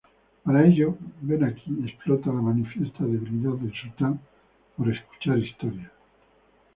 Para ello, Ven Aquí explota la manifiesta debilidad del sultán por escuchar historias.